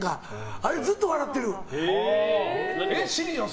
あれ、ずっと笑ってる。